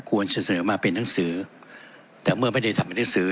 เสนอมาเป็นหนังสือแต่เมื่อไม่ได้ทำเป็นหนังสือ